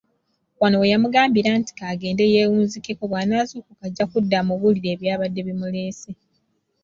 Wano we yamugambira nti ka agende yeewunzikeko, bw’anaazuukuka ajja kudda amubuulire eby’abadde bimuleese.